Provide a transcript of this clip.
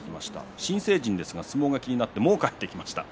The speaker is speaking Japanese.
新成人ですが相撲が気になってもう帰ってきました。